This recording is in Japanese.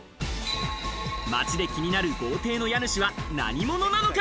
街で気になる豪邸の家主は何者なのか？